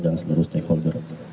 dan seluruh stakeholder